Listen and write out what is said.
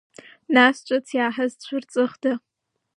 Нас ҿыц иааҳазцәырҵыхда?